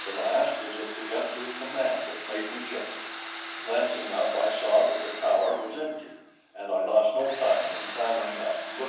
The last was a peremptory command that made me jump. Glancing up, I saw that the tower was empty, and I lost no time in clambering up, looking about me.